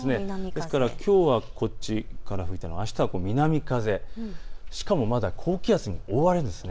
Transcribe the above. ですから、きょうはこっちから、あしたは南風、しかも、まだ高気圧に覆われるんです。